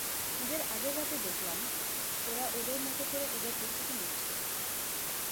ঈদের আগের রাতে দেখলাম, ওরা ওদের মতো করে ঈদের প্রস্তুতি নিচ্ছে।